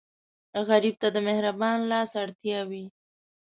غریب ته د مهربان لاس اړتیا وي